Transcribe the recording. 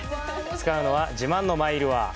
使うのは自慢のマイルアー。